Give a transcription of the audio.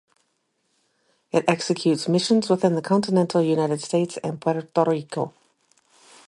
It executes missions within the continental United States and Puerto Rico.